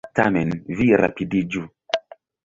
Tamen, vi rapidiĝu!